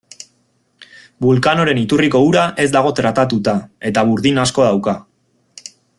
Vulcanoren iturriko ura ez dago tratatuta, eta burdin asko dauka.